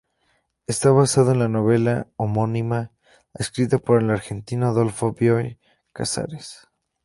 Está basado en la novela homónima escrita por el argentino Adolfo Bioy Casares.